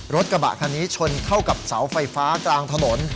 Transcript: รถกระบะคันนี้ชนเข้ากับเสาไฟฟ้ากลางถนน